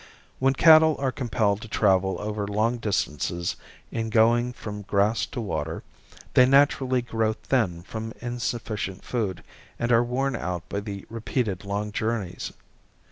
When cattle are compelled to travel over long distances in going from grass to water, they naturally grow thin from insufficient food and are worn out by the repeated long journeys.